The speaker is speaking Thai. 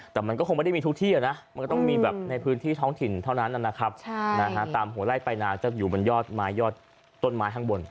แต่มันก็คงไม่ได้มีทุกที่อะนะ